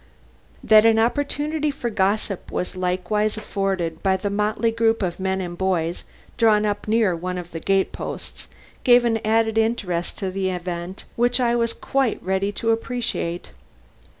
That an opportunity for gossip was likewise afforded by the motley group of men and boys drawn up near one of the gate posts, gave an added interest to the event which I was quite ready to appreciate.